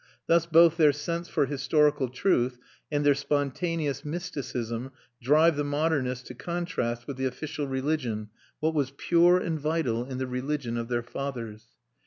Thus both their sense for historical truth and their spontaneous mysticism drive the modernists to contrast with the official religion what was pure and vital in the religion of their fathers.